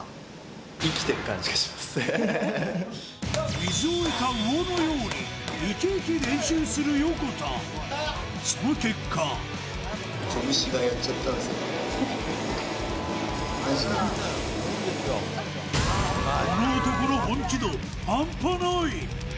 水を得た魚のように生き生き練習する横田、その結果この男の本気度、ハンパない。